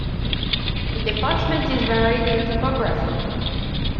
The department is varied in topography.